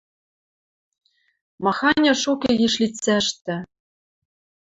Маханьы шукы йиш лицӓштӹ!